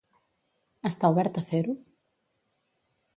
Està obert a fer-ho?